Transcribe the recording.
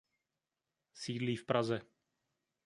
Sídlí v Praze.